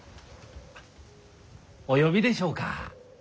お呼びでしょうか？